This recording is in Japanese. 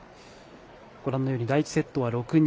ご覧のように第１セットは６−２。